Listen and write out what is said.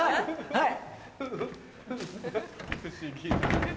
はい！